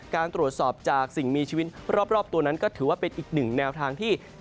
การตรวจสอบจากสิ่งมีชีวิตรอบตัวนั้นก็ถือว่าเป็นอีกหนึ่งแนวทางที่